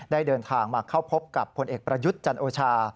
เดินทางมาเข้าพบกับผลเอกประยุทธ์จันโอชา